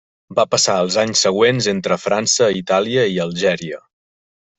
Va passar els anys següents entre França, Itàlia i Algèria.